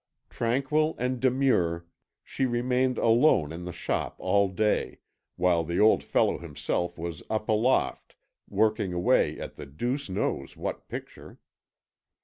Tranquil and demure, she remained alone in the shop all day, while the old fellow himself was up aloft working away at the deuce knows what picture.